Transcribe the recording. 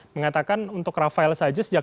mengatakan untuk rafael saja sejak